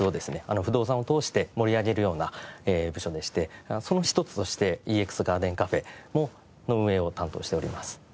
不動産を通して盛り上げるような部署でしてその一つとしてＥＸＧＡＲＤＥＮＣＡＦＥの運営を担当しております。